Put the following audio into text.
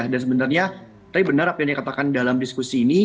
sebenarnya tapi benar apa yang dikatakan dalam diskusi ini